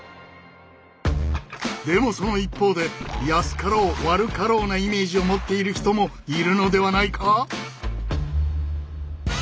でもその一方で安かろう悪かろうなイメージを持っている人もいるのではないか？